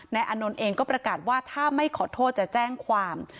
อานนท์เองก็ประกาศว่าถ้าไม่ขอโทษจะแจ้งความ